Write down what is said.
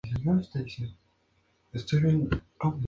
Sin embargo lo conocemos mejor como profesor de retórica.